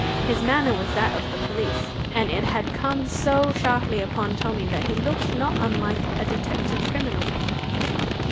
His manner was that of the police, and it had come so sharply upon Tommy that he looked not unlike a detected criminal.